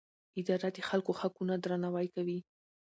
اداره د خلکو حقونه درناوی کوي.